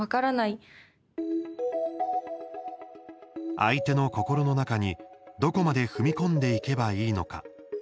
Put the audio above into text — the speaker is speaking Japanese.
相手の心の中に、どこまで踏み込んでいけばいいのか。